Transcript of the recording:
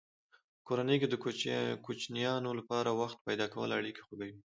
په کورنۍ کې د کوچنیانو لپاره وخت پیدا کول اړیکې خوږوي.